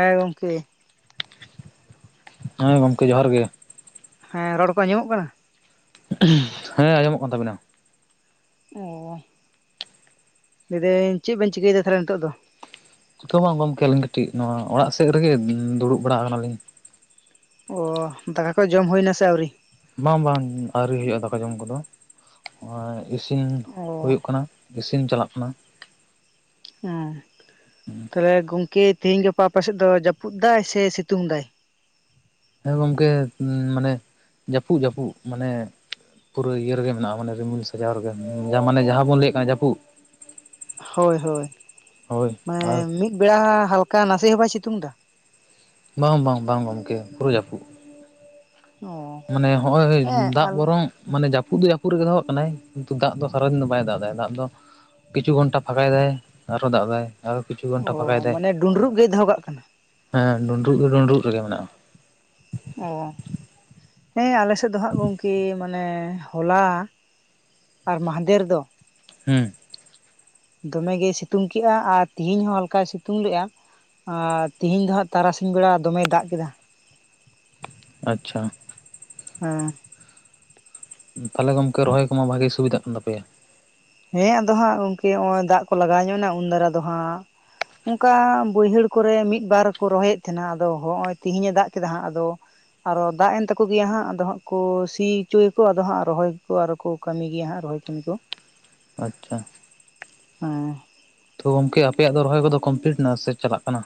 ᱦᱮᱸ ᱜᱚᱝᱠᱮ᱾ ᱦᱮᱸ ᱜᱚᱝᱠᱮ, ᱡᱚᱦᱟᱨ ᱜᱮ᱾ ᱦᱮᱸ ᱨᱚᱲ ᱠᱚ ᱟᱸᱡᱚᱢᱚᱜ ᱠᱟᱱᱟ? ᱦᱮᱸ, ᱟᱸᱡᱚᱢᱚᱜ ᱠᱟᱱ ᱛᱟᱵᱤᱱᱟ᱾ ᱚ ᱞᱟᱹᱭ ᱫᱟᱹᱧ ᱪᱮᱫ ᱵᱮᱱ ᱪᱤᱠᱟᱹᱭᱮᱫᱟ ᱛᱟᱦᱚᱞᱮ ᱱᱤᱛᱚᱜ ᱫᱚ? ᱱᱤᱛᱚᱜ ᱢᱟ ᱜᱚᱝᱠᱮ ᱟᱞᱤᱧ ᱠᱟᱴᱤᱡ ᱱᱚᱣᱟ ᱚᱲᱟᱜ ᱥᱮᱜ ᱨᱮᱜᱮ ᱫᱩᱲᱩᱵ ᱵᱟᱲᱟ ᱟᱠᱟᱱᱟᱞᱤᱧ᱾ ᱚ ᱫᱟᱠᱟ ᱠᱚ ᱡᱚᱢ ᱦᱩᱭ ᱱᱟ ᱥᱮ ᱟᱹᱣᱨᱤ? ᱵᱟᱝ ᱵᱟᱝ ᱟᱹᱣᱨᱤ ᱦᱩᱭᱩᱜᱼᱟ ᱫᱟᱠᱟ ᱡᱚᱢ ᱠᱚᱫᱚ ᱤᱥᱤᱱ ᱚ ᱦᱳᱭᱳᱜ ᱠᱟᱱᱟ᱾ ᱤᱥᱤᱱ ᱪᱟᱞᱟᱜ ᱠᱟᱱᱟ᱾ ᱦᱮᱸ ᱛᱟᱦᱚᱞᱮ ᱜᱚᱝᱠᱮ ᱛᱤᱦᱤᱧ ᱜᱟᱯᱟ ᱟᱯᱮ ᱥᱮᱫ ᱫᱚ ᱡᱟᱯᱩᱫ ᱫᱟᱭ ᱥᱮ ᱥᱤᱛᱩᱝ ᱫᱟᱭ? ᱦᱮᱸ ᱜᱚᱝᱠᱮ, ᱢᱟᱱᱮ ᱡᱟᱯᱩᱜ ᱡᱟᱯᱩᱜ ᱢᱟᱱᱮ ᱯᱩᱨᱟᱹ ᱤᱭᱟᱹ ᱨᱮᱜᱮ ᱢᱮᱱᱟᱜᱼᱟ ᱢᱟᱱᱮ ᱨᱤᱢᱤᱞ ᱥᱟᱡᱟᱣ ᱨᱮᱜᱮ ᱡᱟ ᱢᱟᱱᱮ ᱡᱟᱦᱟᱸ ᱵᱚᱱ ᱞᱟᱹᱭᱮᱜ ᱠᱟᱱᱟ ᱡᱟᱯᱩᱜ᱾ ᱦᱳᱭ ᱦᱳᱭ, ᱟᱨ ᱢᱟᱱᱮ ᱢᱤᱫ ᱵᱮᱲᱟ ᱦᱟᱞᱠᱟ ᱱᱟᱥᱮ ᱦᱚᱸ ᱵᱟᱭ ᱥᱤᱛᱩᱝ ᱮᱫᱟ? ᱵᱟᱝ ᱵᱟᱝ ᱵᱟᱝ ᱜᱚᱝᱠᱮ, ᱯᱩᱨᱟᱹ ᱡᱟᱹᱯᱩᱫ᱾ ᱚ ᱢᱟᱱᱮ ᱦᱚᱜᱼᱚᱭ ᱦᱮᱸ ᱫᱟᱜ ᱟᱞ ᱵᱚᱨᱚᱝ ᱢᱟᱱᱮ ᱡᱟᱹᱯᱩᱫ ᱫᱚ ᱡᱟᱹᱯᱩᱫ ᱨᱮᱜᱮ ᱫᱚᱦᱚ ᱠᱟᱜ ᱠᱟᱱᱟᱭ ᱠᱤᱱᱛᱩ ᱫᱟᱜ ᱫᱚ ᱥᱟᱨᱟᱫᱤᱱ ᱫᱚ ᱵᱟᱭ ᱫᱟᱜ ᱫᱟᱭ ᱫᱟᱜ ᱫᱚ᱾ ᱠᱤᱪᱷᱩ ᱜᱷᱚᱱᱴᱟ ᱯᱷᱟᱠᱟᱭ ᱫᱟᱭ ᱟᱨᱦᱚᱸ ᱫᱟᱜ ᱫᱟᱭ᱾ ᱟᱨᱚ ᱠᱤᱪᱷᱩ ᱜᱷᱚᱱᱴᱟ ᱯᱷᱟᱠᱟᱭ ᱚ ᱫᱟᱭ ᱢᱟᱱᱮ ᱰᱩᱸᱰᱨᱩᱜ ᱜᱮᱭ ᱫᱚᱦᱚ ᱠᱟᱜ ᱠᱟᱱᱟ? ᱦᱮᱸ ᱰᱩᱸᱰᱨᱩᱜ ᱫᱚ ᱰᱩᱸᱰᱨᱩᱜ ᱨᱮᱜᱮ ᱢᱮᱱᱟᱜᱼᱟ᱾ ᱚ ᱦᱮᱸ, ᱟᱞᱮᱥᱮᱫ ᱫᱚ ᱦᱟᱸᱟᱜ ᱜᱚᱝᱠᱮ, ᱢᱟ ᱱᱮ ᱦᱚᱞᱟ ᱟᱨ ᱢᱟᱦᱫᱮᱨ ᱫᱚ ᱦᱩᱸ᱾ ᱫᱚᱢᱮᱜᱮᱭ ᱥᱤᱛᱩᱝ ᱠᱮᱜᱼᱟ ᱟᱨ ᱛᱮᱤᱦᱤᱧ ᱦᱚᱸ ᱦᱟᱞᱠᱟᱭ ᱥᱤᱛᱩᱝ ᱞᱮᱜᱼᱟ᱾ ᱟᱨ ᱛᱤᱦᱤᱧ ᱫᱚ ᱦᱟᱸᱜ ᱛᱟᱨᱟᱥᱤᱧ ᱵᱮᱲᱟ ᱫᱚᱢᱮᱭ ᱫᱟᱜ ᱠᱮᱫᱟ᱾ ᱟᱪᱪᱷᱟ᱾ ᱦᱮᱸ᱾ ᱛᱟᱦᱚᱞᱮ ᱜᱚᱢᱠᱮ ᱨᱚᱦᱚᱭ ᱠᱚᱢᱟ ᱵᱷᱟᱜᱮ ᱥᱩᱵᱤᱫᱷᱟᱜ ᱠᱟᱱ ᱛᱟᱯᱮᱭᱟ᱾ ᱦᱮᱸ ᱟᱫᱚ ᱦᱟᱸᱜ ᱜᱚᱝᱠᱮ ᱦᱚᱜ-ᱚᱭ ᱫᱟᱜ ᱠᱚ ᱞᱟᱜᱟᱣ ᱧᱚᱜᱱᱟ ᱩᱱ ᱫᱟᱨᱟ ᱫᱚ ᱦᱟᱸᱜ ᱚᱱᱠᱟ ᱵᱟᱹᱭᱦᱟᱹᱲ ᱠᱚᱨᱮ ᱢᱤᱫᱵᱟᱨ ᱠᱚ ᱨᱚᱦᱚᱭᱮᱫ ᱛᱟᱦᱮᱸᱱᱟ ᱟᱫᱚ ᱦᱚᱜ-ᱚᱭ ᱛᱤᱦᱤᱧᱮ ᱫᱟᱜ ᱠᱮᱫᱟ ᱦᱟᱸᱜ ᱟᱫᱚ ᱟᱨᱚ ᱫᱟᱜ ᱮᱱ ᱛᱟᱠᱚ ᱜᱮᱭᱟ ᱦᱟᱸᱜ, ᱟᱫᱚ ᱦᱟᱸᱜ ᱠᱚ ᱥᱤ ᱚᱪᱚᱭᱟᱠᱚ ᱟᱫᱚ ᱦᱟᱸᱜ ᱨᱚᱦᱚᱭ ᱜᱮᱠᱚ ᱟᱨᱚ ᱠᱚ ᱠᱟᱹᱢᱤ ᱜᱮᱭᱟ ᱦᱟᱸᱜ, ᱨᱚᱦᱚᱭ ᱠᱟᱹᱢᱤ ᱠᱚ᱾ ᱟᱪᱪᱷᱟ᱾ ᱦᱮᱸ᱾ ᱛᱚ ᱜᱚᱢᱠᱮ ᱟᱯᱮᱭᱟᱜ ᱫᱚ ᱨᱚᱦᱚᱭ ᱠᱚᱫᱚ ᱠᱚᱢᱯᱞᱤᱴ ᱮᱱᱟ, ᱥᱮ ᱪᱟᱞᱟᱜ ᱠᱟᱱᱟ?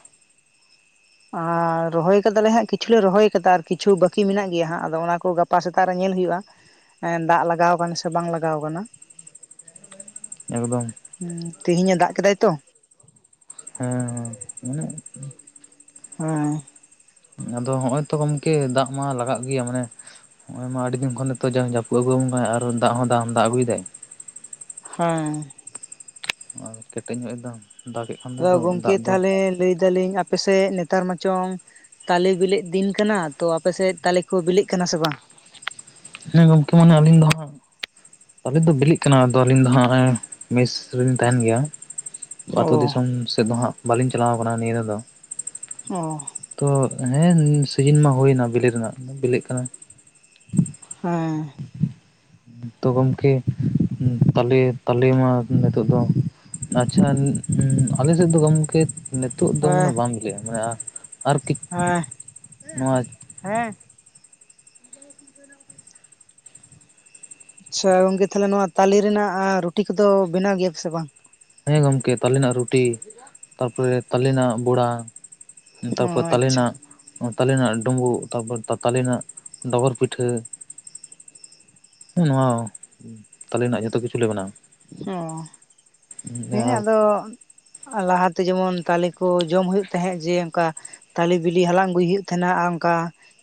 ᱟᱨ ᱨᱚᱦᱚᱭ ᱟᱠᱟᱫᱟᱞᱮ ᱦᱟᱜ ᱠᱤᱪᱷᱩ ᱞᱮ ᱨᱚᱦᱚᱭ ᱟᱠᱟᱫᱟ, ᱟᱨ ᱠᱤᱪᱷᱩ ᱵᱟᱠᱤ ᱢᱮᱱᱟᱜ ᱜᱮᱭᱟ ᱦᱟᱜ, ᱟᱫᱚ ᱚᱱᱟ ᱠᱚ ᱜᱟᱯ ᱜᱟᱯᱟ ᱥᱮᱛᱟᱜ ᱨᱮ ᱧᱮᱞ ᱦᱩᱭᱩᱜ-ᱟ, ᱮᱸ ᱫᱟᱜ ᱞᱟᱜᱟᱣ ᱠᱟᱱᱟ ᱥᱮ ᱵᱟᱝ ᱞᱟᱜᱟᱣ ᱠᱟᱱᱟ᱾ ᱮᱠᱫᱚᱢ᱾ ᱦᱩᱸ, ᱛᱮᱦᱮᱧᱮ ᱫᱟᱜ ᱠᱮᱫᱟᱭ ᱛᱚ᱾ ᱦᱮᱸ ᱦᱮᱸ, ᱢᱟᱱᱮᱠ ᱦᱮᱸ᱾ ᱟᱫᱚ ᱦᱚᱜ-ᱚᱭ ᱛᱚ ᱜᱚᱝᱠᱮ ᱫᱟᱜ ᱢᱟ ᱞᱟᱜᱟᱜ ᱜᱮᱭᱟ ᱢᱟᱱᱮ ᱦᱚᱜ-ᱚᱭ ᱢᱟ ᱟᱹᱰᱤ ᱫᱤᱱ ᱠᱷᱚᱱ ᱱᱤᱛᱚᱜ ᱡᱟᱹᱯᱩᱫ ᱟᱹᱜᱩ ᱟᱵᱚ ᱠᱟᱱᱟ ᱟᱨ ᱫᱟᱜ ᱦᱚᱸ ᱫᱟᱜ ᱫᱟᱜ ᱟᱹᱜᱩᱭᱮᱫᱟᱭ᱾ ᱦᱮᱸ᱾ ᱠᱮᱴᱮᱡ ᱧᱚᱜ ᱜᱮ ᱛᱟᱢᱟ᱾ ᱫᱟᱜ ᱮᱫ ᱠᱷᱟᱱ᱾ ᱟᱫᱚ ᱜᱚᱝᱠᱮ ᱛᱟᱦᱚᱞᱮ ᱞᱟᱹᱭ ᱮᱫᱟᱞᱤᱧ ᱟᱯ ᱟᱯᱮᱥᱮᱫ ᱱᱮᱛᱟᱨ ᱢᱟᱪᱚᱝ ᱛᱟᱞᱮ ᱵᱤᱞᱤᱜ ᱫᱤᱱ ᱠᱟᱱᱟ ᱛᱚ ᱟᱯᱮᱥᱮᱫ ᱛᱟᱞᱮ ᱠᱚ ᱵᱤᱞᱤᱜ ᱠᱟᱱᱟ ᱥᱮ ᱵᱟᱝ? ᱦᱮᱸ ᱜᱚᱝᱠᱮ ᱢᱟᱱᱮ ᱟᱹᱞᱤᱧ ᱫᱚ ᱦᱟᱜ ᱛᱟᱞᱮ ᱫᱚ ᱵᱤᱞᱤᱜ ᱠᱟᱱᱟ᱾ ᱟᱫᱚ ᱟᱹᱞᱤᱧ ᱫᱚ ᱦᱟᱜ ᱱᱟᱜ ᱟᱭ ᱢᱮᱥ ᱨᱮᱞᱤᱧ ᱛᱟᱦᱮᱱ ᱜᱮᱭᱟ᱾ ᱛᱚ ᱟᱛᱩ ᱚ ᱫᱤᱥᱚᱢ ᱥᱮᱫ ᱫᱚ ᱦᱟᱜ ᱵᱟᱹᱞᱤᱧ ᱪᱟᱞᱟᱣ ᱠᱟᱱᱟ ᱱᱤᱭᱟᱹ ᱫᱷᱟᱣ ᱫᱚ᱾ ᱚ ᱛᱚ ᱦᱮᱸ ᱥᱤᱡᱤᱱ ᱢᱟ ᱦᱩᱭᱮᱱᱟ ᱵᱤᱞᱤ ᱫᱚ ᱦᱟᱜ ᱵᱤᱞᱤᱜ ᱠᱟᱱᱟ᱾ ᱦᱮᱸ ᱛᱚ ᱜᱚᱝᱠᱮ ᱛᱟᱞᱮ ᱛᱟᱞᱮ ᱢᱟ ᱱᱤᱛᱚᱜ ᱫᱚ ᱟᱪᱪᱷᱟ, ᱟᱞᱮ ᱥᱮᱫ ᱫᱚ ᱜᱚᱝᱠᱮ ᱱᱤᱛᱚᱜ ᱫᱚ ᱢᱟᱱᱮ ᱦᱮᱸ ᱵᱟᱝ ᱵᱤᱞᱤᱜ-ᱟ᱾ ᱢᱟᱱᱮ ᱟᱨ ᱟᱨᱠᱤᱜ ᱦᱮᱸ ᱱᱚᱣᱟ ᱦᱮᱸ [unintelligible] ᱟᱪᱪᱷᱟ ᱜᱚᱝᱠᱮ ᱛᱟᱦᱚᱞᱮ ᱱᱚᱣᱟ ᱛᱟᱞᱮ ᱨᱮᱱᱟᱜ ᱨᱩᱴᱤ ᱠᱚᱫᱚ ᱵᱮᱱᱟᱣ ᱜᱮᱭᱟ ᱯᱮᱥᱮ ᱵᱟᱝ, ᱦᱮᱸ ᱜᱚᱝᱠᱮ ᱛᱟᱞᱮᱱᱟᱜ ᱨᱩᱴᱤ ᱛᱟᱨᱯᱚᱨᱮ ᱛᱟᱞᱮᱱᱟᱜ ᱵᱚᱲᱟ᱾ ᱚ ᱛᱟᱨᱯᱚᱨ ᱛᱟᱞᱮ ᱟᱪᱪᱷᱟ ᱱᱟᱜ ᱛᱟᱞᱮ ᱨᱮᱱᱟᱜ ᱰᱩᱸᱵᱩᱜ, ᱛᱟᱨᱯᱚᱨ ᱛᱟᱠ ᱛᱟᱞᱮ ᱨᱮᱱᱟᱜ ᱰᱚᱜᱚᱨ ᱯᱤᱴᱷᱟᱹ, ᱱᱚᱣᱟ ᱛᱟᱞᱮ ᱨᱮᱱᱟᱜ ᱡᱷᱚᱛᱚ ᱠᱤᱪᱷᱩᱞᱮ ᱵᱮᱱᱟᱣ-ᱟ᱾ ᱚ ᱦᱮᱸ ᱟᱨ ᱟᱫᱚ ᱟᱞᱟᱦᱟᱛᱮ ᱡᱮᱢᱚᱱ ᱛᱟᱞᱮ ᱠᱚ ᱡᱚᱢ ᱦᱩᱭᱩᱜ ᱛᱟᱦᱮᱜ ᱡᱮ ᱚᱱᱠᱟ ᱛᱟᱞᱮ ᱵᱤᱞᱤ ᱦᱟᱞᱟᱝ ᱟᱹᱜᱩᱭ ᱦᱩᱭᱩᱜ ᱛᱟᱦᱮᱱᱟ ᱟᱨ ᱚᱱᱠᱟ,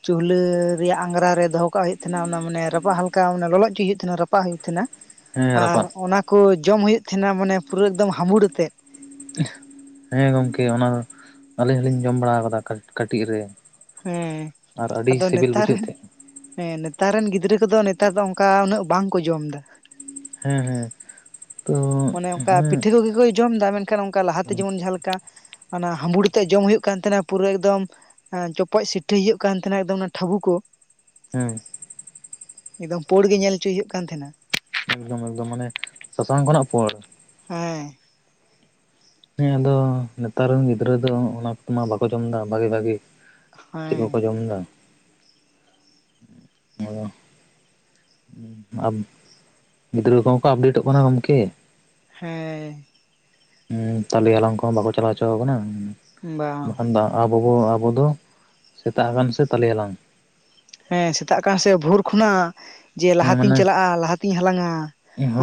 ᱪᱩᱞᱦᱟᱹ ᱨᱮᱭᱟᱜ ᱟᱸᱜᱽᱨᱟ ᱨᱮ ᱫᱚᱦᱚ ᱠᱟᱜ ᱦᱩᱭᱩᱜ ᱛᱟᱦᱮᱱᱟ ᱚᱱᱟ ᱢᱟᱱᱮ ᱨᱟᱯᱟᱜ ᱦᱟᱞᱠᱟ ᱞᱚᱞᱚ ᱦᱚᱪᱚᱭ ᱦᱩᱭᱩᱜ ᱛᱟᱦᱮᱱᱟ ᱨᱟᱯᱟᱜ ᱦᱩᱭᱩᱜ ᱛᱟᱦᱮᱱᱟ᱾ ᱦᱮᱸ ᱟᱨ ᱨᱟᱯᱟᱜ ᱚᱱᱟ ᱠᱚ ᱡᱚᱢ ᱦᱩᱭᱩᱜ ᱛᱟᱦᱮᱱᱟ ᱢᱟᱱᱮ ᱯᱩᱨᱟᱹ ᱮᱠᱫᱚᱢ ᱦᱟᱢᱩᱲ ᱟᱛᱮᱫ᱾ ᱦᱮᱸ ᱜᱚᱝᱠᱮ ᱚᱱᱟ ᱟᱹᱞᱤᱧ ᱦᱚᱸᱞᱤᱧ ᱡᱚᱢ ᱵᱟᱲᱟ ᱠᱟᱫᱟ ᱠᱟ ᱠᱟᱹᱴᱤᱡ ᱨᱮ ᱦᱮᱸ ᱟᱨ ᱟᱹᱰᱤ ᱟᱫᱚ ᱥᱤᱵᱤᱞ ᱱᱮᱛᱟᱨ ᱵᱩᱡᱷᱟᱹᱜ ᱨᱮᱱ ᱛᱟᱦᱮᱜ, ᱦᱮᱸ ᱱᱮᱛᱟᱨ ᱨᱮᱱ ᱜᱤᱫᱽᱨᱟᱹ ᱠᱚᱫᱚ ᱱᱮᱛᱟᱨ ᱫᱚ ᱚᱱᱠᱟ ᱩᱱᱟᱹᱜ ᱵᱟᱝᱠᱚ ᱡᱚᱢ ᱮᱫᱟ, ᱦᱮᱸ ᱦᱮᱸ, ᱛᱚ ᱢᱟᱱᱮ ᱚᱱᱠᱟ ᱦᱮᱸ ᱯᱤᱴᱷᱟᱹ ᱠᱚᱜᱮ ᱠᱚ ᱡᱚᱢ ᱫᱟ ᱢᱮᱱᱠᱷᱟᱱ ᱚᱱᱠᱟ ᱞᱟᱦᱟᱛᱮ ᱡᱮᱢᱚᱱ ᱡᱟᱦᱟᱸ ᱞᱮᱠᱟ, ᱚᱱᱟ ᱦᱟᱸᱵᱩᱲ ᱟᱛᱮᱫ ᱡᱚᱢ ᱦᱩᱭᱩᱜ ᱠᱟᱱ ᱛᱟᱦᱮᱸᱱᱟ ᱯᱩᱨᱟᱹ ᱮᱠᱫᱚᱢ, ᱦᱮ ᱪᱚᱯᱚᱪ ᱥᱤᱴᱟᱹᱟᱹᱭ ᱦᱩᱭᱩᱜ ᱠᱟᱱ ᱛᱟᱦᱮᱸᱱᱟ ᱮᱠᱫᱚᱢ ᱚᱱᱟ ᱴᱷᱟᱹᱵᱩ ᱠᱚ, ᱦᱮᱸ ᱮᱠᱫᱚᱢ ᱯᱳᱲ ᱜᱮ ᱧᱮᱞ ᱦᱚᱪᱚᱭ ᱦᱩᱭᱩᱜ ᱠᱟᱱ ᱛᱟᱦᱮᱸᱱᱟ᱾ ᱮᱠᱫᱚᱢ ᱮᱠᱫᱚᱢ ᱢᱟᱱᱮ ᱥᱟᱥᱟᱝ ᱠᱷᱚᱱᱟᱜ ᱯᱚᱲ ᱦᱮᱸ ᱦᱮᱸ ᱟᱫᱚ, ᱱᱮᱛᱟᱨ ᱨᱮᱱ ᱜᱤᱫᱽᱨᱟᱹ ᱫᱚ ᱚᱱᱟᱫ ᱠᱚ ᱢᱟ ᱵᱟᱠᱚ ᱡᱚᱢ ᱫᱟ ᱵᱷᱟᱜᱮ ᱵᱷᱟᱜᱮ ᱪᱮᱫ ᱦᱮᱸ ᱠᱚᱠᱚ ᱡᱚᱢ ᱫᱟ ᱚ ᱾ ᱟᱵ ᱜᱤᱫᱽᱨᱟᱹ ᱠᱚᱦᱚᱸ ᱠᱚ ᱟᱯᱰᱮᱴᱚᱜ ᱠᱟᱱᱟ ᱜᱚᱝᱠᱮ ᱾ ᱦᱮᱸ ᱩᱸ ᱛᱟᱞᱮ ᱦᱟᱞᱟᱝ ᱠᱚᱦᱚᱸ ᱵᱟᱠᱚ ᱪᱟᱞᱟᱣ ᱦᱚᱪᱚ ᱠᱟ ᱠᱟᱱᱟ ᱵᱟᱝ ᱵᱟᱠᱷᱟᱱ ᱫᱚ ᱟ ᱵᱳᱵᱳ ᱟᱵᱳ ᱫᱚ ᱥᱮᱛᱟᱜ ᱟᱠᱟᱱ ᱥᱮ ᱛᱟᱞᱮ ᱦᱟᱞᱟᱝ᱾ ᱦᱮᱸ ᱥᱮᱛᱟᱜ ᱟᱠᱟᱱ ᱥᱮ, ᱵᱷᱳᱨ ᱠᱷᱚᱱᱟᱜ ᱡᱮ ᱦᱮᱸ ᱞᱟᱦᱟᱛᱤᱧ ᱢᱟᱱᱮ ᱪᱟᱞᱟᱜ-ᱟ, ᱞᱟᱦᱟᱛᱤᱧ ᱦᱟᱞᱟᱝ-ᱟ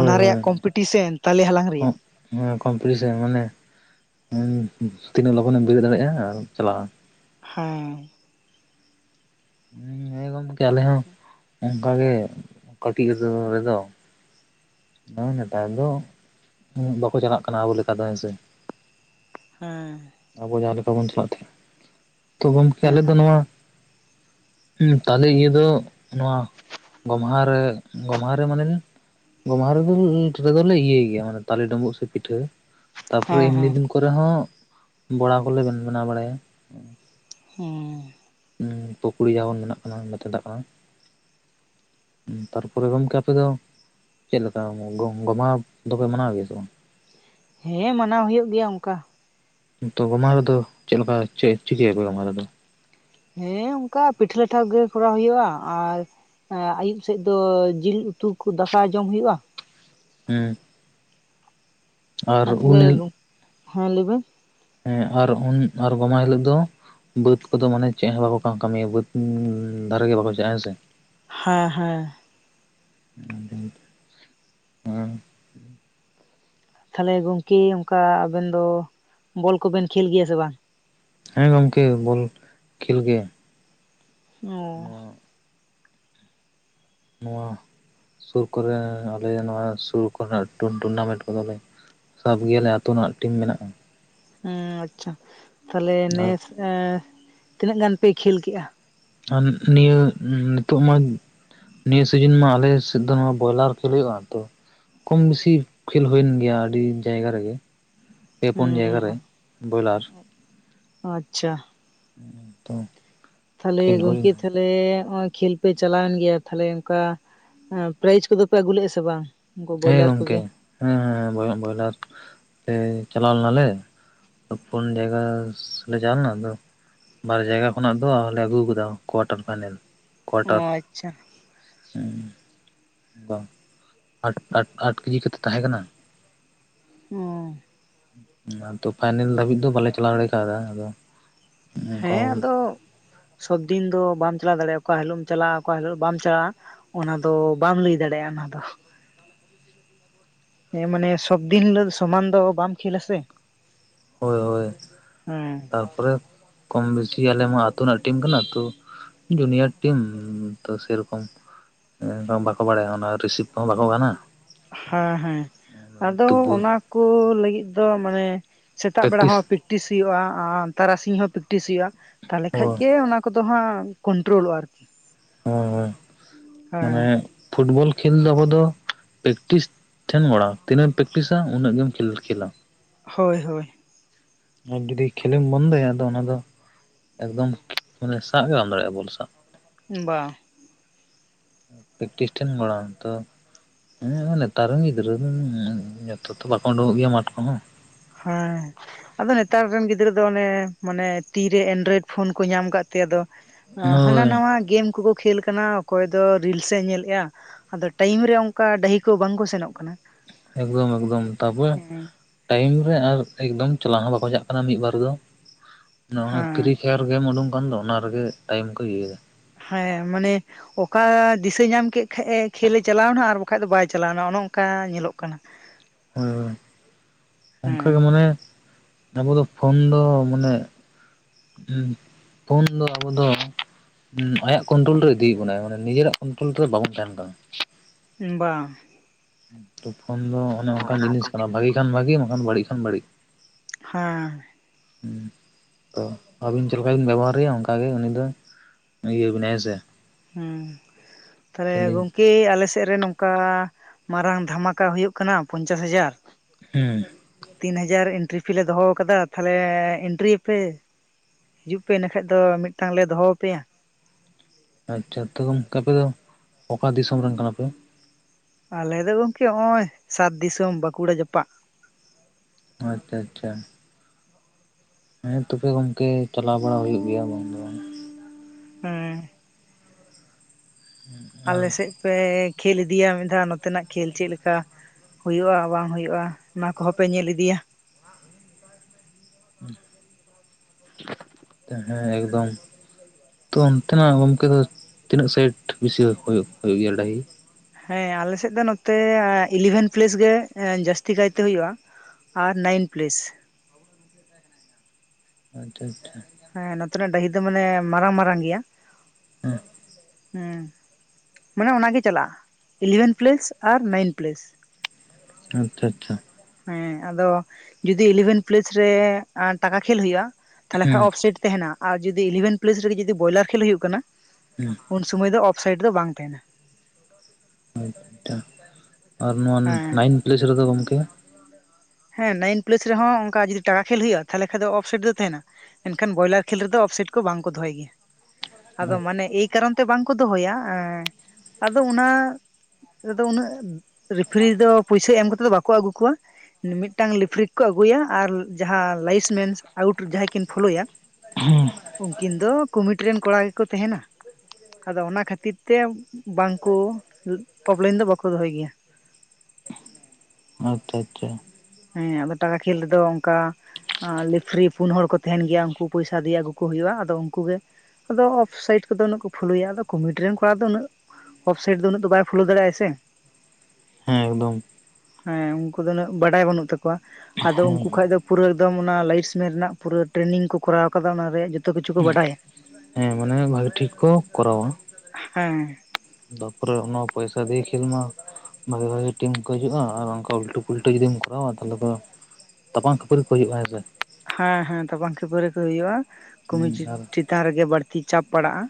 ᱚᱱᱟ ᱦᱳᱭ ᱨᱮᱭᱟᱜ ᱠᱚᱢᱯᱤᱴᱤᱥᱮᱱ, ᱛᱟᱞᱮ ᱦᱟᱞᱟᱝ ᱨᱮᱭᱟᱜ᱾ ᱦᱮᱸ ᱠᱚᱢᱯᱤᱴᱤᱥᱮᱱ ᱢᱟᱱᱮ, ᱛᱤᱱᱟᱹᱜ ᱞᱚᱜᱚᱱᱮᱢ ᱵᱮᱨᱮᱫ ᱫᱟᱲᱮᱜ-ᱟ ᱟᱨ ᱪᱟᱞᱟᱣ᱾ ᱦᱮᱸ ᱦᱩᱸ ᱦᱮᱸ ᱜᱚᱝᱠᱮ ᱟᱞᱮ ᱦᱚᱸ ᱚᱱᱠᱟ ᱜᱮ ᱠᱟᱹᱴᱤᱡ ᱨᱮᱫᱚ ᱟᱞᱮ ᱫᱚ ᱾ ᱱᱚᱜᱚᱭ ᱱᱮᱛᱟᱨ ᱫᱚ ᱩᱱᱟᱹᱜ ᱵᱟᱠᱚ ᱪᱟᱞᱟᱜ ᱠᱟᱱᱟ ᱟᱵᱚ ᱞᱮᱠᱟ ᱫᱚ ᱦᱮᱸ ᱥᱮ? ᱦᱮᱸ᱾ ᱟᱵᱳ ᱡᱟᱦᱟᱸ ᱞᱮᱠᱟ ᱵᱚᱱ ᱪᱟᱞᱟᱜ ᱛᱟᱸᱦᱮᱱ, ᱛᱚ ᱜᱚᱝᱠᱮ ᱟᱞᱮ ᱦᱮᱸ ᱫᱚ ᱱᱚᱣᱟ, ᱦᱩᱸ ᱛᱟᱞᱮ ᱤᱭᱟᱹ ᱫᱚ ᱱᱚᱣᱟ ᱜᱚᱢᱦᱟ ᱨᱮ ᱜᱚᱢᱦᱟ ᱨᱮ ᱢᱟᱱᱮ ᱜᱚᱢᱦᱟ ᱨᱮ ᱨᱮᱫᱚᱞᱮ ᱤᱭᱟᱹᱭ ᱜᱮᱭᱟ ᱢᱟᱱᱮ ᱛᱟᱞᱮ ᱰᱳᱸᱵᱳᱜ ᱥᱮ ᱯᱤᱴᱷᱟᱹ ᱛᱟᱯᱚᱨᱮ ᱦᱮᱸ ᱮᱢᱱᱤ ᱦᱮᱸ ᱫᱤᱱ ᱠᱚᱨᱮ ᱦᱚᱸ ᱵᱚᱲᱟ ᱠᱚᱞᱮ ᱵᱮᱱᱼᱵᱮᱱᱟᱣ ᱵᱟᱲᱟᱭᱟ᱾ ᱦᱩᱸ, ᱩᱸ ᱯᱩᱠᱲᱤ ᱡᱟᱦᱟᱸ ᱵᱚᱱ ᱢᱮᱱᱟᱜ ᱠᱟᱱᱟ, ᱢᱮᱛᱟᱫᱟᱜᱼᱟ᱾ ᱩᱸ ᱛᱟᱨᱯᱚᱨᱮ ᱜᱚᱝᱠᱮ ᱟᱯᱮ ᱫᱚ ᱪᱮᱜ ᱞᱮᱠᱟ ᱜᱚᱢ-ᱜᱚᱢᱟ ᱫᱚᱯᱮ ᱢᱟᱱᱟᱣ ᱜᱮᱭᱟ ᱥᱮ ᱵᱟᱝ‌? ᱦᱮᱸ ᱢᱟᱱᱟᱣ ᱦᱩᱭᱩᱜ ᱜᱮᱭᱟ ᱚᱝᱠᱟ‌᱾ ᱛᱚ ᱜᱚᱢᱟ ᱨᱮᱫᱚ ᱪᱮᱜ ᱞᱮᱠᱟ ᱪᱮᱜ ᱪᱤᱠᱟᱹᱭᱟᱯᱮ ᱜᱚᱢᱟ ᱨᱮᱫᱚ? ᱦᱮᱸ ᱚᱝᱠᱟ ᱯᱤᱴᱷᱟᱹ ᱞᱟᱴᱷᱟ ᱜᱮ ᱠᱚᱨᱟᱣ ᱦᱩᱭᱩᱜᱼᱟ ᱟᱨ ᱮᱸ ᱟᱭᱩᱵ ᱥᱮᱜ ᱫᱚ ᱡᱤᱞ ᱩᱛᱩ ᱠᱚ ᱫᱟᱠᱟ ᱡᱚᱢ ᱦᱩᱭᱩᱜᱼᱟ᱾ ᱦᱩᱸ, ᱟᱨ ᱛᱟᱦᱞᱮ ᱦᱤᱞᱳᱜ ᱜᱚᱝ, ᱦᱮᱸ ᱞᱟᱹᱭᱵᱮᱱ? ᱦᱮᱸ ᱟᱨ ᱩᱱ ᱟᱨ ᱜᱚᱢᱟ ᱦᱤᱞᱟᱹᱜ ᱫᱚ ᱵᱟᱹᱫᱽ ᱠᱚᱫᱚ ᱢᱟᱱᱮ ᱪᱮᱜ ᱦᱚᱸ ᱵᱟᱠᱚ ᱠᱟ-ᱠᱟᱢᱤᱭᱟ ᱵᱟᱹᱫᱽ ᱩᱸᱻᱫᱷᱟᱨᱮ ᱜᱮ ᱵᱟᱠᱚ ᱪᱟᱜᱼᱟ ᱦᱮᱸ ᱥᱮ᱾ ᱦᱮᱸ ᱦᱮᱸ, [unintelligible] ᱛᱟᱦᱚᱞᱮ ᱜᱚᱝᱠᱮ ᱚᱱᱝᱠᱟ ᱟᱵᱮᱱ ᱫᱚ ᱵᱚᱞ ᱠᱚᱵᱮᱱ ᱡᱷᱮᱞ ᱜᱮᱭᱟ ᱥᱮ ᱵᱟᱝ? ᱦᱮᱸ ᱜᱚᱝᱠᱮ ᱵᱚᱞ ᱠᱷᱮᱞ ᱜᱮ᱾ ᱚᱸ, ᱱᱚᱣᱟ ᱱᱚᱣᱟ ᱥᱩᱨ ᱠᱚᱨᱮ ᱟᱞᱮᱭᱟ ᱱᱚᱣᱟ ᱥᱩᱨ ᱠᱚᱨᱮᱱᱟᱜ ᱴᱩᱱ-ᱴᱩᱱᱱᱟᱢᱮᱱᱴ ᱠᱚᱫᱚᱞᱮ ᱥᱟᱵ ᱜᱮᱭᱟᱞᱮ ᱟᱹᱛᱳ ᱱᱟᱜ ᱴᱤᱢ ᱢᱮᱱᱟᱜᱼᱟ᱾ ᱩᱸ ᱟᱪᱪᱷᱟ, ᱛᱟᱦᱞᱮ ᱟᱨ ᱱᱮᱥ ᱮᱸ ᱛᱤᱱᱟᱹᱜ ᱜᱟᱱ ᱯᱮ ᱠᱷᱮᱞ ᱠᱮᱜᱼᱟ? ᱟᱱ ᱱᱤᱭᱟᱹ ᱱᱤᱛᱚᱜ ᱢᱟᱧ ᱱᱤᱭᱟᱹ ᱥᱤᱡᱤᱱ ᱢᱟ ᱟᱞᱮ ᱥᱮᱫ ᱫᱚ ᱱᱚᱣᱟ ᱵᱚᱭᱞᱟᱨ ᱠᱷᱮᱞ ᱦᱩᱭᱩᱜᱼᱟ ᱛᱚ ᱠᱚᱢ ᱵᱤᱥᱤ ᱠᱷᱮᱞ ᱦᱩᱭᱮᱱ ᱜᱮᱭᱟ ᱟᱹᱰᱤ ᱡᱟᱭᱜᱟ ᱨᱮᱜᱮ᱾ ᱯᱮ ᱯᱩᱱ ᱡᱟᱭᱜᱟ ᱦᱩᱸ ᱨᱮ, ᱵᱚᱭᱞᱟᱨ ᱟᱪᱪᱷᱟ ᱩᱸ ᱛᱚ ᱛᱟᱦᱞᱮ ᱠᱷᱮᱞ ᱜᱚᱝᱠᱮ ᱦᱩᱭᱱᱟ ᱛᱟ ᱦᱞᱮ ᱚᱜᱼᱚᱭ ᱠᱷᱮᱞ ᱯᱮ ᱪᱟᱞᱟᱣᱮᱱ ᱜᱮᱭᱟ ᱛᱟᱦᱞᱮ ᱚᱝᱠᱟ ᱯᱨᱟᱭᱤᱡ ᱠᱚᱫᱚ ᱯᱮ ᱟᱹᱜᱩ ᱞᱮᱜᱼᱟ ᱥᱮ ᱵᱟᱝ? ᱩᱱᱠᱩ ᱦᱮᱸ ᱵᱚᱭᱞᱟᱨ ᱜᱚᱝᱠᱮ, ᱠᱚᱜᱮ? ᱦᱮᱸ ᱦᱮᱸ ᱦᱮᱸ ᱵᱚᱭ-ᱵᱚᱭᱞᱟᱨ ᱛᱮ ᱪᱟᱞᱟᱣ ᱞᱮᱱᱟᱞᱮ, ᱯᱩᱱ ᱡᱟᱭᱜᱟ [unintelligible] ᱞᱮᱱᱟ ᱟᱫᱚ ᱵᱟᱨ ᱡᱟᱭᱜᱟ ᱠᱷᱚᱱᱟᱜ ᱫᱚ ᱟᱨᱞᱮ ᱟᱹᱜᱩ ᱠᱟᱫᱟ ᱠᱚᱣᱟᱴᱟᱨ ᱯᱷᱟᱭᱱᱮᱞ᱾ ᱚ ᱠᱚᱣᱟᱴᱟᱨ ᱟᱪᱪᱷᱟ ᱩᱸ ᱩᱸ, ᱵᱟᱝ, ᱟᱴ-ᱟᱴ-ᱟᱴ ᱠᱮᱡᱤ ᱠᱟᱛᱮᱜ ᱛᱟᱦᱮᱸ ᱠᱟᱱᱟ᱾ ᱚᱸ ᱛᱚ ᱯᱷᱟᱭᱱᱮᱞ ᱫᱷᱟᱹᱵᱤᱜ ᱫᱚ ᱵᱟᱞᱮ ᱪᱟᱞᱟᱣ ᱫᱟᱲᱮ ᱠᱟᱣᱫᱟᱜᱼᱟ ᱟᱫᱚ ᱚᱱᱠᱟ ᱦᱮᱸ ᱟᱫᱚ ᱥᱚᱵ ᱫᱤᱱ ᱫᱚ ᱵᱟᱢ ᱪᱟᱞᱟᱣ ᱫᱟᱲᱮᱭᱟᱜᱼᱟ ᱚᱠᱟ ᱦᱤᱞᱳᱜ ᱮᱢ ᱪᱟᱞᱟᱜᱼᱟ ᱚᱠᱟ ᱦᱤᱞᱟᱹᱜ ᱵᱟᱢ ᱪᱟᱞᱟᱜᱼᱟ ᱚᱱᱟ ᱫᱚ ᱵᱟᱢ ᱞᱟᱹᱭ ᱫᱟᱲᱮᱭᱟᱜᱼᱟ ᱚᱱᱟ ᱫᱚ᱾ ᱦᱮᱸ ᱢᱟᱱᱮ ᱥᱚᱵᱽᱫᱤᱱ ᱦᱤᱞᱟᱹᱜ ᱥᱚᱢᱟᱱ ᱫᱚ ᱵᱟᱢ ᱠᱷᱞᱟᱥᱮ ᱦᱳᱭ ᱦᱳᱭ, ᱦᱮᱸ ᱛᱟᱨᱯᱚᱨᱮ ᱠᱚᱢ ᱵᱮᱥᱤ ᱟᱞᱮᱢᱟ ᱟᱹᱛᱩ ᱨᱮᱱᱟᱜ ᱴᱤᱢ ᱠᱟᱱᱟ ᱛᱚ ᱡᱩᱱᱤᱭᱟᱹᱨ ᱴᱤᱢ ᱛᱚ ᱥᱮᱨᱚᱠᱚᱢ, ᱮᱠᱫᱚᱢ ᱵᱟᱠᱚ ᱵᱟᱲᱟᱭᱟ ᱚᱱᱟ ᱨᱤᱥᱤᱯᱴ ᱠᱚᱦᱚᱸ ᱵᱟᱠᱚ ᱜᱟᱱᱟ᱾ ᱦᱮᱸ ᱦᱮᱸ ᱟᱫᱚ ᱛᱚᱵᱩ ᱚᱱᱟᱠᱩ ᱞᱟᱹᱜᱤᱫ ᱫᱚ ᱢᱟᱱᱮ, ᱥᱮᱛᱟᱜ ᱵᱮᱲᱟ ᱯᱨᱮᱠᱴᱤᱥ ᱦᱚᱸ ᱯᱮᱠᱴᱤᱥ ᱦᱩᱭᱩᱜᱼᱟ ᱟ ᱛᱟᱨᱟᱥᱤᱧ ᱦᱚᱸ ᱯᱮᱠᱴᱤᱥ ᱦᱩᱭᱩᱜᱼᱟ ᱛᱟᱞᱦᱮ ᱠᱷᱟᱡ ᱦᱳᱭ ᱜᱮ ᱚᱱᱟ ᱠᱚᱫᱚ ᱦᱟᱸᱜ ᱠᱚᱱᱴᱨᱳᱞᱳᱜᱼᱟ ᱟᱨᱠᱤ ᱦᱮᱸ ᱦᱮᱸ ᱢᱟᱱᱮ ᱦᱮᱸ ᱯᱷᱩᱴᱵᱚᱞ ᱠᱷᱮᱞ ᱫᱚ ᱟᱵᱚ ᱫᱚ ᱯᱮᱠᱴᱤᱥ ᱴᱷᱮᱱ ᱜᱚᱲᱟ ᱛᱤᱱᱟᱹᱜᱮᱢ ᱯᱮᱠᱴᱤᱥᱟ ᱩᱱᱟᱹᱜ ᱜᱮᱢ ᱠᱷᱮᱞ ᱠᱷᱮᱞᱟ᱾ ᱦᱳᱭ ᱦᱳᱭ ᱟᱨ ᱡᱩᱫᱤ ᱠᱷᱮᱞᱮᱢ ᱵᱚᱱᱫᱚᱭᱟ ᱟᱫᱚ ᱚᱱᱟ ᱫᱚ ᱮᱠᱫᱚᱢ ᱢᱟᱱᱮ ᱥᱟᱵ ᱜᱮ ᱵᱟᱢ ᱫᱟᱲᱮᱭᱟᱜᱼᱟ ᱢᱟᱱᱮ ᱵᱚᱞ ᱥᱟᱵ ᱵᱟᱝ᱾ ᱯᱮᱠᱴᱤᱥ ᱴᱷᱮᱱ ᱜᱚᱲᱟ ᱛᱳ ᱦᱮᱸ ᱱᱮᱛᱟᱨ ᱨᱮᱱ ᱜᱤᱫᱽᱨᱟᱹ ᱫᱚ ᱮ ᱡᱚᱛᱚ ᱛᱚ ᱵᱟᱠᱚ ᱩᱰᱳᱜᱚᱜ ᱜᱮᱭᱟ ᱢᱟᱴ ᱠᱚᱦᱚᱸ ᱦᱮᱸ ᱟᱫᱚ ᱱᱮᱛᱟᱨ ᱨᱮᱱ ᱜᱤᱫᱽᱨᱟᱹ ᱫᱚ ᱚᱱᱮ ᱢᱟᱱᱮ ᱛᱤᱨᱮ ᱮᱱᱰᱨᱚᱭᱮᱰ ᱯᱷᱳᱱ ᱠᱚ ᱧᱟᱢ ᱠᱟᱫ ᱛᱮ ᱟᱫᱚ ᱦᱟᱱᱟ ᱦᱳᱭ ᱱᱟᱣᱟ ᱜᱮᱢ ᱠᱚᱠᱚ ᱠᱷᱮᱹᱞ ᱠᱟᱱᱟ ᱚᱠᱚᱭ ᱫᱚ ᱨᱤᱞᱥ ᱮ ᱧᱮᱞᱮᱜᱼᱟ᱾ ᱟᱫᱚ ᱴᱟᱭᱤᱢ ᱨᱮ ᱚᱝᱠᱟ ᱰᱟᱹᱦᱤ ᱠᱚᱦᱚ ᱵᱟᱝ ᱠᱚ ᱥᱮᱱᱚᱜ ᱠᱟᱱᱟ᱾ ᱮᱠᱫᱚᱢ ᱮᱠᱫᱚᱢ ᱛᱟᱯᱚᱨᱮ ᱦᱮᱸ ᱴᱟᱭᱤᱢ ᱨᱮ ᱟᱨ ᱮᱠᱫᱚᱢ ᱪᱟᱞᱟᱣ ᱦᱚᱸ ᱵᱟᱠᱚ ᱪᱟᱜ ᱠᱟᱱᱟ ᱢᱤᱫ ᱵᱟᱨ ᱫᱚ ᱱᱚᱣᱟ ᱯᱷᱤᱨᱤ ᱦᱮᱸ ᱯᱷᱟᱭᱟᱨ ᱜᱮᱢ ᱳᱰᱳᱝ ᱠᱟᱱ ᱫᱚ ᱚᱱᱟ ᱨᱮᱜᱮ ᱴᱟᱭᱤᱢ ᱠᱚ ᱤᱭᱟᱹᱭᱟ᱾ ᱦᱮᱸ ᱢᱟᱱᱮ ᱚᱠᱟ ᱫᱤᱥᱟᱹ ᱧᱟᱢᱠᱮᱜ ᱠᱷᱟᱡ ᱮ ᱠᱷᱮᱞᱮ ᱪᱟᱞᱟᱣᱱᱟ ᱟᱨ ᱵᱟᱠᱷᱟᱡ ᱫᱚ ᱵᱟᱭ ᱪᱟᱞᱟᱣᱱᱟ ᱚᱱᱮ ᱚᱱᱠᱟ ᱧᱮᱞᱚᱜ ᱠᱟᱱᱟ᱾ ᱦᱳᱭ ᱦᱳᱭ ᱚᱱᱠᱟᱜᱮ ᱦᱮᱸ ᱢᱟᱱᱮᱼᱼᱼ ᱟᱵᱚ ᱫᱚ ᱯᱷᱳᱱ ᱫᱚ ᱢᱟᱱᱮ ᱯᱷᱳᱱ ᱫᱚ ᱟᱵᱚ ᱫᱚ ᱟᱭᱟᱜ ᱠᱚᱱᱴᱨᱳᱞ ᱨᱮ ᱤᱫᱤᱭᱮᱫ ᱵᱚᱱᱟ ᱢᱟᱱᱮ ᱱᱤᱡᱮᱨᱟᱜ ᱠᱚᱱᱴᱨᱳᱞ ᱨᱮᱫᱚ ᱵᱟᱵᱚᱱ ᱛᱟᱦᱮᱱ ᱠᱟᱱᱟ᱾ ᱵᱟᱝ ᱯᱷᱳᱱ ᱫᱚ ᱚᱱᱮ ᱚᱱᱠᱟᱱ ᱡᱤᱱᱤᱥ ᱠᱟᱱᱟ ᱵᱷᱟᱜᱤ ᱠᱷᱟᱱ ᱵᱷᱟᱜᱤ ᱵᱟᱝᱠᱷᱟᱱ ᱵᱟᱹᱲᱤᱡ ᱠᱷᱟᱱ ᱵᱟᱹᱲᱤᱡ ᱦᱟᱸ ᱛᱚ ᱟᱹᱵᱤᱱ ᱪᱮᱫ ᱞᱮᱠᱟ ᱵᱤᱱ ᱵᱮᱵᱚᱦᱟᱨᱮᱭᱟ ᱚᱱᱠᱟ ᱜᱮ ᱩᱱᱤ ᱫᱚ ᱤᱭᱟᱹ ᱵᱤᱱᱟᱭ ᱦᱮᱥᱮ ᱦᱩᱸ ᱛᱟᱦᱞᱮ ᱜᱚᱝ ᱠᱮ ᱟᱞᱮᱥᱮᱫ ᱨᱮ ᱱᱚᱝᱠᱟ ᱢᱟᱨᱟᱝ ᱫᱷᱟᱢᱟᱠᱟ ᱦᱩᱭᱩᱜ ᱠᱟᱱᱟ ᱯᱚᱧᱪᱟᱥ ᱦᱟᱡᱟᱨ᱾ ᱦᱩᱸ ᱦᱩᱸ ᱛᱤᱱ ᱦᱟᱡᱟᱨ ᱮᱱᱴᱨᱤ ᱯᱷᱤ ᱞᱮ ᱫᱚᱦᱚ ᱠᱟᱫᱟ ᱛᱟᱦᱞᱮ ᱮᱱᱴᱨᱤᱯᱮ ᱦᱤᱡᱩᱜ ᱯᱮ ᱤᱱᱟᱹ ᱠᱷᱟᱡ ᱫᱚ ᱢᱤᱫᱴᱟᱝ ᱞᱮ ᱫᱚᱦᱟ ᱟᱯᱮᱭᱟ᱾ ᱟᱪᱪᱷᱟ ᱛᱚ ᱜᱚᱝᱠᱮ ᱟᱯᱮ ᱫᱚ ᱚᱠᱟ ᱫᱤᱥᱚᱢ ᱨᱮᱱ ᱠᱟᱱᱟ ᱯᱮ? ᱟᱞᱮᱫ ᱫᱚ ᱜᱚᱝᱠᱮ ᱦᱚᱜ ᱚᱭ ᱥᱟᱹᱛ ᱫᱤᱥᱚᱢ ᱵᱟᱸᱠᱩᱲᱟ ᱡᱟᱯᱟᱜ ᱚᱸᱟᱪᱪᱷᱟ ᱟᱪᱪᱷᱟ ᱦᱮᱸ ᱛᱚᱵᱮ ᱜᱚᱝᱠᱮ ᱪᱟᱞᱟᱣ ᱵᱟᱲᱟ ᱦᱩᱭᱩᱜ ᱜᱮᱭᱟ ᱵᱟᱝ ᱫᱚ ᱵᱟᱝ ᱦᱮᱸ [unintelligible] ᱟᱞᱮ ᱥᱮᱫ ᱯᱮ ᱠᱷᱮᱞ ᱤᱫᱤᱭᱟ ᱢᱤᱫ ᱫᱷᱟᱣ ᱱᱚᱛᱮᱱᱟᱜ ᱠᱷᱮᱞ ᱪᱮᱫ ᱞᱮᱠᱟ ᱦᱩᱭᱩᱜᱼᱟ ᱵᱟᱝ ᱦᱩᱭᱩᱜᱼᱟ ᱚᱱᱟ ᱠᱚᱦᱚᱸ ᱯᱮ ᱧᱮᱞ ᱤᱫᱤᱭᱟ [unintelligible] [unintelligible] ᱦᱮᱸ ᱮᱠᱫᱚᱢ ᱛᱚ ᱚᱱᱛᱮᱱᱟᱜ ᱜᱚᱢᱠᱮ ᱫᱚ ᱛᱤᱱᱟᱹᱜ ᱥᱟᱭᱤᱰ ᱵᱤᱥᱤ ᱦᱩᱭᱩᱜ ᱜᱮᱭᱟ ᱰᱟᱹᱦᱤ ᱦᱮᱸ ᱟᱞᱮᱥᱮᱫ ᱫᱚ ᱱᱚᱛᱮ ᱤᱞᱮᱵᱷᱮᱱ ᱯᱞᱟᱮᱥ ᱜᱮ ᱡᱟᱹᱥᱛᱤ ᱠᱟᱭᱛᱮ ᱦᱳᱭᱳᱜᱼᱟ᱾ ᱟᱨ ᱱᱟᱭᱤᱱ ᱯᱞᱟᱮᱥ ᱟᱪᱪᱷᱟ, ᱟᱪᱪᱷᱟ᱾ ᱦᱮᱸ ᱱᱚᱛᱮᱱᱟᱜ ᱰᱟᱹᱦᱤ ᱫᱚ ᱢᱟᱱᱮ, ᱢᱟᱨᱟᱝ ᱢᱟᱨᱟᱝ ᱜᱮᱭᱟ᱾ ᱦᱮᱸ, ᱦᱩᱸ, ᱢᱟᱱᱮ ᱚᱱᱟ ᱜᱮ ᱪᱟᱞᱟᱜᱼᱟ, ᱤᱞᱮᱵᱷᱮᱱ ᱯᱞᱮᱥ ᱟᱨ ᱱᱟᱭᱤᱱ ᱯᱞᱮᱥ ᱟᱪᱪᱷᱟ, ᱟᱪᱪᱷᱟ᱾ ᱦᱮᱸ ᱟᱫᱚ ᱡᱩᱫᱤ ᱤᱞᱮᱵᱷᱮᱱ ᱯᱞᱟᱥ ᱨᱮ, ᱴᱟᱠᱟ ᱠᱷᱮᱞ ᱦᱳᱭᱳᱜᱼᱟ᱾ ᱦᱩᱸ ᱚᱯᱷᱥᱟᱭᱤᱴ ᱛᱟᱦᱮᱱᱟ ᱟᱨ ᱡᱩᱫᱤ, ᱤᱞᱤᱵᱷᱮᱱ ᱯᱞᱮᱥ ᱨᱮᱜᱮ, ᱡᱩᱫᱤ ᱵᱚᱭᱞᱟ ᱠᱷᱮᱞ ᱦᱳᱭᱩᱜ ᱠᱟᱱᱟ᱾ [unintelligible] ᱦᱮᱸ, ᱩᱱ ᱥᱚᱢᱚᱭ ᱫᱚ, ᱚᱯᱷᱥᱟᱭᱤᱴ ᱫᱚ ᱵᱟᱝ ᱛᱟᱦᱮᱱᱟ᱾ ᱟᱪᱪᱷᱟ ᱦᱮᱸ ᱱᱟᱭᱤᱱ ᱯᱞᱮᱥ ᱨᱮᱫᱚ ᱜᱚᱢᱠᱮ ᱦᱮᱸ ᱱᱟᱭᱤᱱ ᱯᱞᱮᱥ ᱨᱮᱦᱚᱸ ᱚᱱᱠᱟ, ᱡᱩᱫᱤ ᱴᱟᱠᱟ ᱠᱷᱮᱞ ᱦᱳᱭᱳᱜᱼᱟ, ᱛᱟᱦᱞᱮ ᱠᱷᱟᱡ ᱫᱚ ᱚᱯᱷᱥᱟᱭᱤᱴ ᱫᱚ ᱛᱟᱦᱮᱱᱟ᱾ ᱢᱮᱱᱠᱷᱟᱱ ᱵᱚᱭᱞᱟᱨ ᱠᱷᱮᱞ ᱨᱮᱫᱚ, ᱚᱯᱷᱥᱟᱭᱤᱴ ᱠᱚ ᱵᱟᱝ ᱠᱚ ᱫᱚᱦᱚᱭ ᱜᱮᱭᱟ, ᱟᱫᱚ ᱢᱟᱱᱮ ᱮᱠ ᱠᱟᱨᱚᱱ ᱛᱮ ᱵᱟᱝ ᱠᱚ ᱫᱚᱦᱚᱭᱟ, ᱮ ᱟᱫᱚ ᱚᱱᱟ ᱨᱮᱫᱚ ᱩᱱᱟᱹᱜ ᱨᱮᱯᱷᱟᱨᱤ ᱫᱚ ᱯᱩᱭᱥᱟ ᱮᱢᱠᱟᱛᱮ ᱫᱚ, ᱵᱟᱠᱚ ᱟᱜᱩ ᱠᱚᱣᱟ᱾ ᱢᱤᱫᱴᱟᱝ ᱞᱤᱯᱷᱨᱤᱠ ᱠᱚ ᱟᱹᱜᱩᱭᱟ ᱟᱨ, ᱡᱟᱦᱟᱸ ᱞᱟᱭᱤᱥᱢᱮᱱᱥ ᱟᱣᱩᱴ ᱡᱟᱦᱟᱸ ᱠᱤᱱ ᱯᱷᱳᱞᱳᱭᱟ ᱟᱪᱪᱷᱟ ᱩᱱᱠᱤᱱ ᱫᱚ ᱠᱚᱢᱤᱴᱤ ᱨᱮᱱ ᱠᱚᱲᱟ ᱜᱮᱠᱚ ᱛᱟᱦᱮᱱᱟ᱾ ᱟᱫᱚ ᱚᱱᱟ ᱠᱷᱟᱹᱛᱤᱨ ᱛᱮ ᱵᱟᱝᱠᱩ ᱚᱯᱷᱞᱟᱭᱤᱱ ᱫᱚ ᱵᱟᱠᱚ ᱫᱚᱦᱚᱭ ᱜᱮᱭᱟ᱾ ᱟᱪᱪᱷᱟ, ᱟᱪᱪᱷᱟ᱾ ᱦᱮᱸ ᱟᱫᱚ ᱴᱟᱠᱟ ᱠᱷᱮᱞ ᱨᱮᱫᱚ ᱚᱝᱠᱟ᱾ ᱞᱤᱯᱷᱨᱤ ᱯᱩᱱ ᱦᱚᱲ ᱠᱚ ᱛᱟᱦᱮᱱ ᱜᱮᱭᱟ᱾ ᱩᱱᱠᱩ ᱯᱚᱭᱥᱟ ᱫᱤᱭᱮ ᱟᱜᱩ ᱠᱚ ᱦᱳᱭᱳᱜᱼᱟ᱾ ᱟᱫᱚ ᱩᱱᱠᱩ ᱜᱮ ᱟᱫᱚ ᱚᱯᱷ ᱥᱟᱭᱤᱴ ᱠᱚᱫᱚ ᱩᱱᱟᱹᱜ ᱠᱚ, ᱯᱷᱞᱳᱭᱟ ᱟᱫᱚ ᱠᱚᱢᱤᱴᱤ ᱨᱮᱱ ᱠᱚᱲᱟ ᱫᱚ ᱩᱱᱟᱹᱜ ᱚᱯᱷᱥᱟᱭᱤᱰ ᱫᱚ ᱩᱱᱟᱹᱜ ᱫᱚ, ᱵᱟᱭ ᱯᱷᱳᱞᱳ ᱫᱮᱭᱟᱜᱼᱟᱭ ᱥᱮ᱾ ᱦᱮᱸ, ᱮᱠᱫᱚᱢ᱾ ᱦᱮᱸ ᱩᱱᱠᱩ ᱫᱚ ᱩᱱᱟᱹᱜ ᱵᱟᱰᱟᱭ ᱵᱟᱹᱱᱩᱜ ᱛᱟᱠᱚᱣᱟ, ᱟᱫᱚ ᱦᱮᱸ ᱩᱱᱠᱩ ᱠᱷᱚᱡ ᱫᱚ᱾ ᱯᱩᱨᱟᱹ ᱮᱠᱫᱚᱢ ᱚᱱᱟ ᱞᱟᱭᱤᱥ ᱢᱮᱱ, ᱨᱮᱱᱟᱜ ᱯᱩᱨᱟᱹ ᱴᱨᱮᱱᱤᱝ ᱠᱚ ᱠᱚᱨᱟᱣ ᱠᱟᱫᱟ ᱚᱱᱟ ᱨᱮᱭᱟᱜ ᱡᱚ ᱦᱮᱸ ᱢᱟᱱᱮ ᱵᱷᱟᱜᱤ ᱴᱷᱤᱠ ᱠᱚ ᱠᱚᱨᱟᱣᱟ᱾ ᱦᱮᱸ ᱛᱟ ᱯᱚᱨᱮ ᱚᱱᱟ ᱯᱚᱭᱥᱟ ᱫᱤᱭᱮ ᱠᱷᱮᱞ ᱢᱟ᱾ ᱵᱷᱟᱜᱤ ᱵᱷᱟᱜᱤ ᱴᱤᱢ ᱠᱚ ᱦᱤᱡᱩᱜᱼᱟ, ᱟᱨ ᱚᱱᱠᱟ ᱩᱞᱴᱟᱹ ᱯᱩᱞᱴᱟᱹ ᱡᱩᱚᱫᱤᱢ ᱠᱚᱨᱟᱣᱟ ᱛᱟᱦᱚᱞᱮ ᱫᱚ᱾ ᱛᱟᱯᱟᱝ ᱠᱷᱟᱹᱯᱟᱹᱨᱤ ᱠᱚ ᱦᱳᱭᱳᱜᱼᱟ ᱦᱮᱸᱥᱮ᱾ ᱦᱮᱸ ᱦᱮᱸ, ᱛᱟᱯᱟᱝᱠᱷᱟᱹᱯᱟᱹᱨᱤ ᱠᱚ ᱦᱳᱭᱳᱜᱼᱟ, ᱠᱚᱢᱤᱴᱤ ᱟᱨ ᱪᱮᱛᱟᱱ ᱨᱮᱜᱮ ᱵᱟᱹᱲᱛᱤ ᱪᱟᱯ ᱯᱟᱲᱟᱜᱼᱟ᱾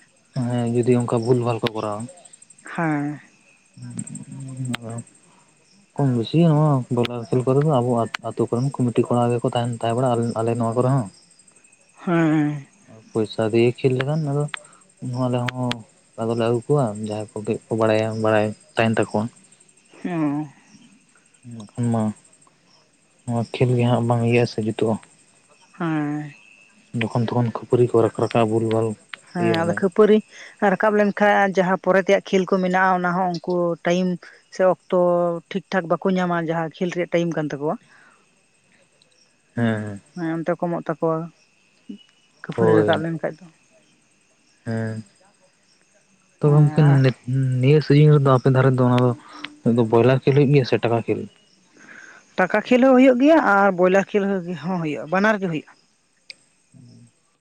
ᱦᱮᱸ ᱡᱩᱫᱤ ᱚᱝᱠᱟ, ᱵᱷᱩᱞᱵᱷᱟᱞ ᱠᱚ ᱠᱚᱨᱟᱣᱟ᱾ ᱦᱮᱸ, [unintelligible] [unintelligible] ᱠᱚᱢ ᱵᱮᱥᱤ ᱱᱚᱣᱟ ᱵᱚᱭᱞᱟᱨ ᱠᱷᱮᱞ ᱠᱚᱨᱮ ᱫᱚ, ᱟᱵᱚᱛ ᱠᱚᱨᱮᱱ ᱠᱚᱢᱤᱴᱤ ᱠᱚᱲᱟ ᱜᱮᱠᱚ ᱛᱟᱦᱮᱱᱱᱟ᱾ ᱛᱟᱦᱮ ᱵᱟᱲᱟᱜᱼᱟ, ᱟᱞᱮ ᱱᱚᱣᱟ ᱠᱚᱨᱮ ᱦᱚ᱾ ᱦᱮᱸ, ᱯᱚᱭᱥᱟ ᱫᱤᱭᱮ ᱠᱷᱮᱞ ᱠᱷᱟᱱ ᱟᱱᱟ ᱫᱚ ᱩᱱ ᱟᱞᱮᱦᱚ ᱟᱫᱚᱞᱮ ᱟᱹᱜᱩ ᱠᱚᱣᱟ, ᱡᱟᱦᱟᱸᱭ ᱠᱚ ᱵᱟᱲᱟᱭᱟ, ᱵᱟᱲᱟᱭ ᱛᱟᱦᱮᱱ ᱛᱟᱠᱚᱣᱟ᱾ ᱦᱩᱸ, ᱢᱟ ᱱᱚᱣᱟ ᱠᱷᱮᱞ ᱜᱮ ᱦᱟᱸᱜ ᱵᱟᱝ, ᱤᱭᱟᱹᱼ ᱟ ᱥᱮ, ᱡᱩᱛᱩᱜᱼᱟ᱾ ᱦᱮᱸ, ᱡᱚᱠᱷᱚᱱ ᱛᱚᱠᱷᱚᱱ ᱠᱷᱟᱹᱯᱟᱹᱨᱤ ᱠᱚ, ᱨᱟᱠᱟᱵᱼᱟ ᱵᱷᱩᱞ ᱵᱷᱟᱞ᱾ ᱦᱮᱸ ᱤᱭᱟᱹ ᱟᱫᱚ ᱢᱟᱱᱮ ᱠᱷᱟᱹᱯ ᱯᱩᱨᱤ ᱨᱟᱠᱟᱵ ᱞᱮᱱᱠᱷᱟᱱ ᱡᱟᱦᱟᱸ ᱯᱚᱨᱮ ᱛᱮᱭᱟᱜ ᱠᱷᱮᱞ ᱠᱚ ᱢᱮᱱᱟᱜ-ᱟ ᱚᱱᱟ ᱦᱚᱸ ᱩᱱᱠᱩ ᱴᱟᱭᱤᱢ ᱥᱮ ᱚᱠᱛᱚ ᱴᱷᱤᱠᱴᱷᱟᱠ ᱵᱟᱠᱚ ᱧᱟᱢᱟ ᱡᱟᱦᱟᱸ ᱠᱷᱮᱞ ᱨᱮᱭᱟᱜ ᱴᱟᱭᱤᱢ ᱠᱟᱱ ᱛᱟᱠᱚᱣᱟ ᱾ [inaudible] ᱦᱮᱸ ᱦᱮᱸ ᱾ ᱦᱮᱸ ᱚᱱᱛᱮ ᱠᱚᱢᱚᱜ ᱛᱟᱠᱚᱣᱟ ᱠᱷᱟᱹᱯᱟᱹᱨᱤ ᱨᱟᱠᱟᱵ ᱞᱮᱱᱠᱷᱟᱡ ᱫᱚ ᱾ ᱦᱩᱸ [inaudible] ᱛᱚ ᱩᱱᱠᱤᱱ ᱦᱮᱸ [inaudible] ᱱᱤᱭᱟᱹ ᱥᱩᱡᱤᱱ ᱨᱮᱫᱚ ᱟᱯᱮ ᱫᱷᱟᱨᱮ ᱫᱚ ᱚᱱᱟ ᱫᱚ ᱵᱚᱭᱞᱟᱨ ᱠᱷᱮᱞ ᱦᱩᱭᱩᱜ ᱜᱮᱭᱟ ᱥᱮ ᱴᱟᱠᱟ ᱠᱷᱮᱞ? ᱴᱟᱠᱟ ᱠᱷᱮᱞ ᱦᱚᱸ ᱦᱳᱭᱳᱜ ᱜᱮᱭᱟ ᱟᱨ ᱵᱚᱭᱞᱟᱨ ᱠᱷᱮᱞ ᱦᱚᱸ ᱦᱩᱭᱩᱜ-ᱟ ᱵᱟᱱᱟᱨ ᱜᱮ ᱦᱩᱭᱩᱜ-ᱟ ᱾ [inaudible]